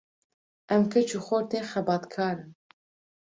Em keç û xortên xebatkar in.